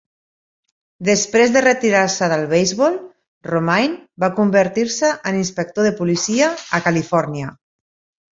Després de retirar-se del beisbol, Romine va convertir-se en inspector de policia a Califòrnia.